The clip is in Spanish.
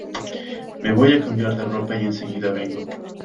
me voy a cambiar de ropa y enseguida vengo.